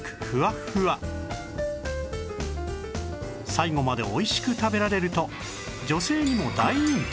最後までおいしく食べられると女性にも大人気！